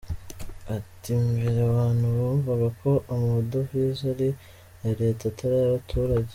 Ati “Mbere abantu bumvaga ko amadovize ari aya Leta atari ay’abaturage.